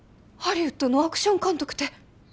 ハリウッドのアクション監督て！